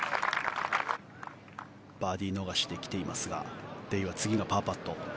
バーディー逃しで来ていますがデイは次のパーパット。